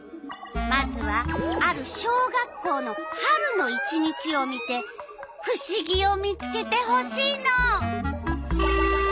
まずはある小学校の春の１日を見てふしぎを見つけてほしいの。